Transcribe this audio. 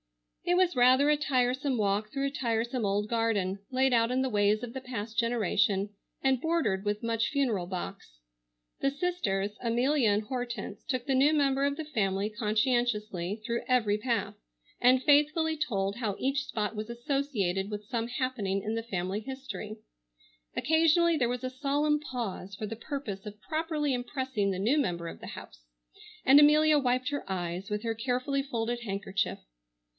It was rather a tiresome walk through a tiresome old garden, laid out in the ways of the past generation, and bordered with much funereal box. The sisters, Amelia and Hortense, took the new member of the family, conscientiously, through every path, and faithfully told how each spot was associated with some happening in the family history. Occasionally there was a solemn pause for the purpose of properly impressing the new member of the house, and Amelia wiped her eyes with her carefully folded handkerchief.